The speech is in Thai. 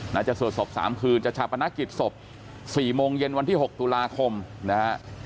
จะสวดศพ๓คืนจะชาปนกิจศพ๔โมงเย็นวันที่๖ตุลาคมนะฮะ